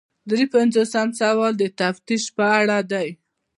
درې پنځوسم سوال د تفتیش په اړه دی.